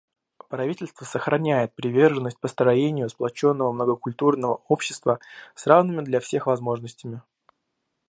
Правительство сохраняет приверженность построению сплоченного многокультурного общества с равными для всех возможностями.